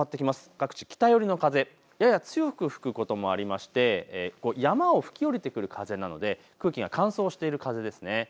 各地、北寄りの風、やや強く吹くこともありまして山を吹き降りてくる風なので空気が乾燥している風です。